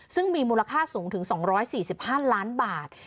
ซึ่งมีมูลค่าสูงถึง๒๔๕ล้านบาท